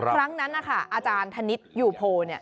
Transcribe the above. ครั้งนั้นนะคะอาจารย์ธนิตอยู่โพ